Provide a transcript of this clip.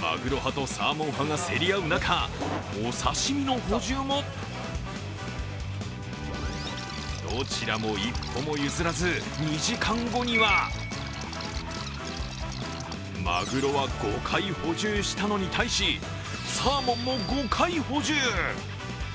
マグロ派とサーモン派が競り合う中、お刺身の補充もどちらも一歩も譲らず２時間後にはマグロは５回補充したのに対しサーモンも５回補充。